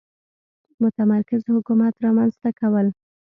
متمرکز حکومت رامنځته کول.